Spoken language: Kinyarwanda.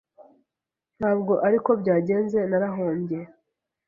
ntabwo ari ko byagenze narahombye.